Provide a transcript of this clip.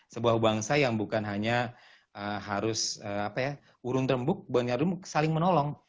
sebuah bangsa yang bukan hanya harus urung rembuk bengar rembuk saling menolong